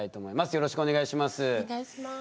よろしくお願いします。